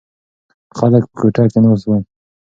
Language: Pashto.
خلک په کوټه کې ناست ول.